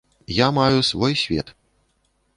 Я маю свой свет.